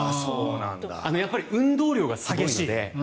やっぱり運動量がすごいので。